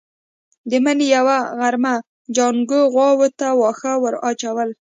د مني يوه غرمه جانکو غواوو ته واښه ور اچول.